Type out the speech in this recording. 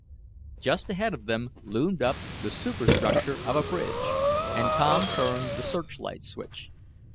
Just ahead of them loomed up the super structure of a bridge, and Tom turned the searchlight switch.